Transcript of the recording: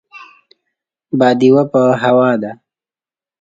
باديوه په هوا ده.